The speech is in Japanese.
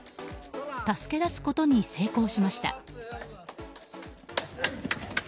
助け出すことに成功しました。